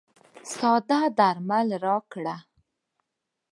ساده درمل راکړئ.